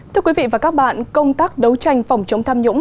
thưa quý vị và các bạn công tác đấu tranh phòng chống tham nhũng